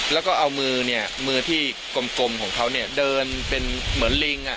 แล้วก็เอามือเนี่ยมือที่กลมของเขาเนี่ยเดินเป็นเหมือนลิง